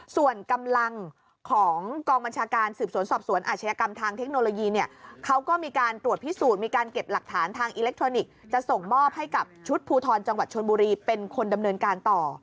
ส่วนกำลังของกองบัญชาการสืบสวนสอบสวนอาชญากรรมทางเทคโนโลยีเนี่ยเขาก็มีการตรวจพิสูจน์มีการเก็บหลักฐานทางอิเล็กทรอนิกส์จะส่งมอบให้กับชุดภูทรจังหวัดชนบุรีเป็นคนดำเนินการต่อ